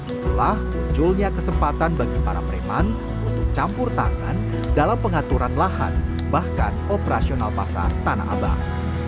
setelah munculnya kesempatan bagi para preman untuk campur tangan dalam pengaturan lahan bahkan operasional pasar tanah abang